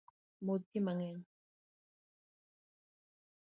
Modh pii mang’eny